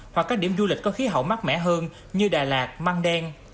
hoặc các điểm du lịch có khí hậu mát mẻ hơn như đà lạt măng đen